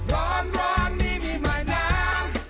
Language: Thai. ร้อนนี่มีหมายน้ำ